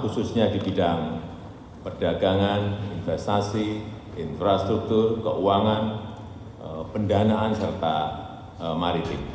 khususnya di bidang perdagangan investasi infrastruktur keuangan pendanaan serta maritim